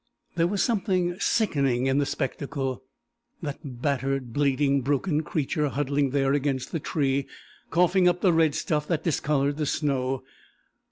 There was something sickening in the spectacle that battered, bleeding, broken creature huddling there against the tree, coughing up the red stuff that discoloured the snow.